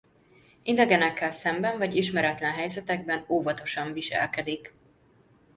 Idegenekkel szemben vagy ismeretlen helyzetekben óvatosan viselkedik.